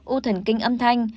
u thần kinh âm thanh